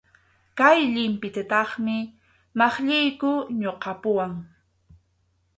Kay llipintataqmi maqlliyku ñuqapuwan.